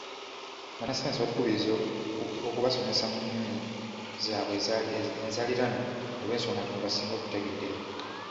Bannassaayansi batukubiriza kubasomesa mu nnimi zaabwe enzaaliranwa olw’ensonga nti mwe basinga okutegeerera.